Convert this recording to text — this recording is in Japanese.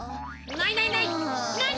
ないないない！